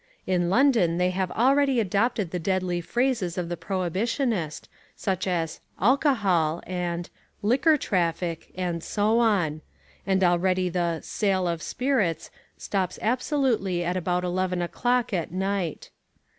In London they have already adopted the deadly phrases of the prohibitionist, such as "alcohol" and "liquor traffic" and so on: and already the "sale of spirits" stops absolutely at about eleven o'clock at night.